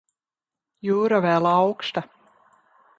Jūra vēl auksta.